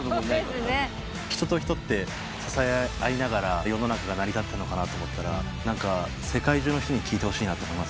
人と人って支え合いながら世の中が成り立ったのかなと思ったら世界中の人に聴いてほしいなと思いますね。